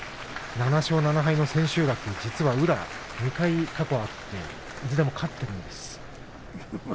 ７勝７敗の千秋楽は宇良は過去２回あっていずれも勝っているんです。